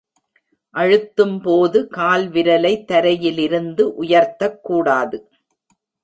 அழுத்தும்போது கால்விரலை தரையிலிருந்து உயர்த்தக் கூடாது.